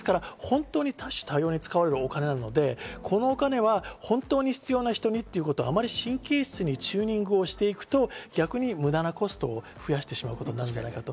多種多様に使われるお金なので、このお金は本当に必要な人にということがあまり神経質にチューニングをしていくと、逆に無駄なコストを増やしてしまうと思います。